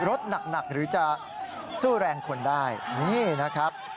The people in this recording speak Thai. รถหนักหรือจะสู้แรงคนได้นี่นะครับ